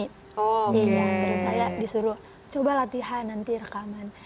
terus saya disuruh coba latihan nanti rekaman